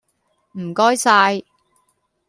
唔該晒